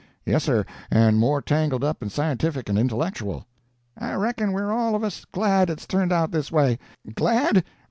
Yes, sir, and more tangled up and scientific and intellectual." "I reckon we're all of us glad it's turned out this way. Glad?